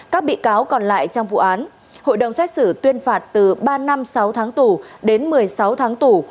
các bị cáo còn lại trong vụ án hội đồng xét xử tuyên phạt từ ba năm sáu tháng tù đến một mươi sáu tháng tù